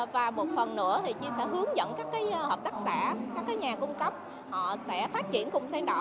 và một phần nữa thì chi sẽ hướng dẫn các cái hợp tác xã các cái nhà cung cấp họ sẽ phát triển cùng sen đỏ